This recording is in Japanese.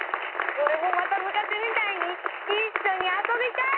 おれもまたむかしみたいにいっしょにあそびたい！